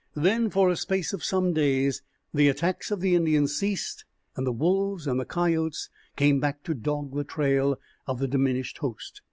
Then, for a space of some days, the attacks of the Indians ceased, and the wolves and coyotes came back to dog the trail of the diminished host.